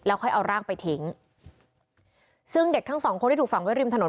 ค่อยเอาร่างไปทิ้งซึ่งเด็กทั้งสองคนที่ถูกฝังไว้ริมถนน